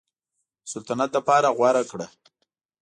د سلطنت لپاره غوره کړ.